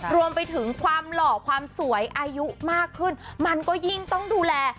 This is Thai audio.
รวมไปถึงความหล่อความสวยอายุมากขึ้นมันก็ยิ่งต้องดูแล